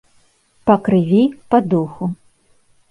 Па крыві, па духу.